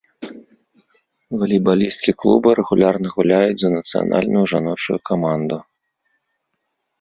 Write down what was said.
Валейбалісткі клуба рэгулярна гуляюць за нацыянальную жаночую каманду.